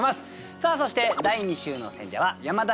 さあそして第２週の選者は山田佳乃さんです。